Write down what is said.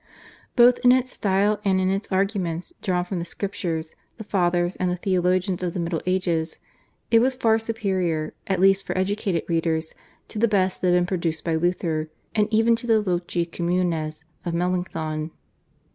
Both in its style and in its arguments drawn from the Scriptures, the Fathers, and the theologians of the Middle Ages, it was far superior, at least for educated readers, to the best that had been produced by Luther and even to the /Loci Communes/ of Melanchthon.